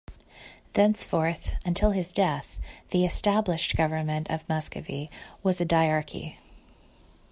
Thenceforth, until his death, the established government of Muscovy was a diarchy.